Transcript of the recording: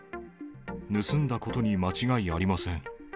盗んだことに間違いありません。